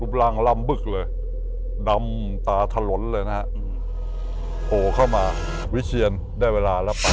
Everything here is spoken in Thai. กำลังลำบึกเลยดำตาถลนเลยนะฮะโผล่เข้ามาวิเชียนได้เวลาแล้วไป